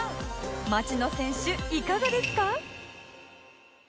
町野選手いかがですか？